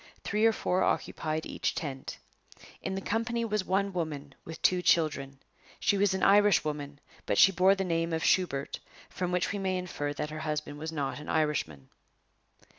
Three or four occupied each tent. In the company was one woman, with two children. She was an Irishwoman; but she bore the name of Shubert, from which we may infer that her husband was not an Irishman.